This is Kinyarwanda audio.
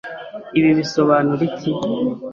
Ibi bisobanura iki?